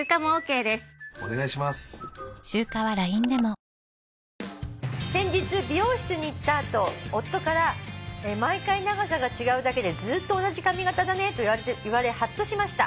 パワーカーブ⁉「先日美容室に行った後夫から『毎回長さが違うだけでずっと同じ髪形だね』と言われはっとしました。